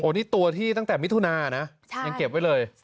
นี่ตัวที่ตั้งแต่มิถุนานะยังเก็บไว้เลย